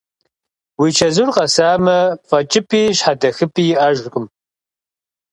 Уи чэзур къэсамэ, фӀэкӀыпӀи щхьэдэхыпӀи иӀэжкъым…